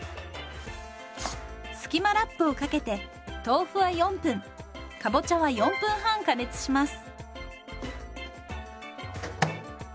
スキマラップをかけて豆腐は４分かぼちゃは４分半加熱します。